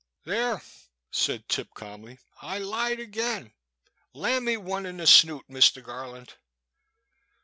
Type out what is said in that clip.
"There!" said Tip calmly, " I Ued again; lam me one in the snoot, Mister Garland."